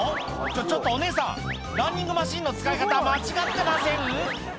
ちょちょっとお姉さんランニングマシンの使い方間違ってません？